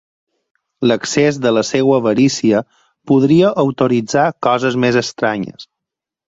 L'excés de la seua avarícia podria autoritzar coses més estranyes.